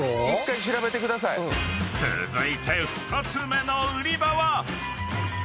［続いて２つ目の売り場は］